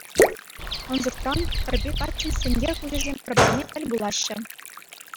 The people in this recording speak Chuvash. Ӑнсӑртран хӗрпе каччӑн сенкер куҫӗсем пӗр-пӗрне тӗл пулаҫҫӗ.